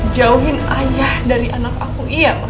jauhin ayah dari anak aku iya